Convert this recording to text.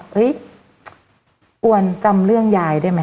เฮ้ยอวนจำเรื่องยายได้ไหม